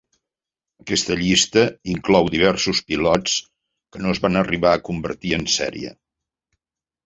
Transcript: Aquesta llista inclou diversos pilots que no es van arribar a convertir en sèrie.